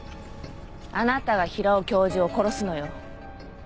あなたが平尾教授を殺すのよ。